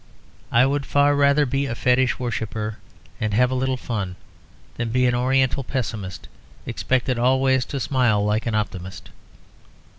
I would far rather be a fetish worshipper and have a little fun, than be an oriental pessimist expected always to smile like an optimist.